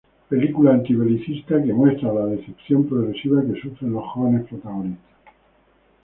Película antibelicista, que muestra la decepción progresiva que sufren los jóvenes protagonistas.